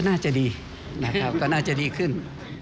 น่าจะดีนะครับก็น่าจะดีขึ้น